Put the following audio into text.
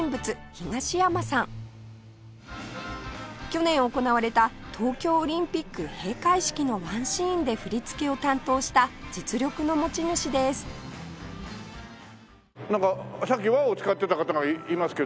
去年行われた東京オリンピック閉会式のワンシーンで振り付けを担当した実力の持ち主ですなんかさっき輪を使ってた方がいますけど。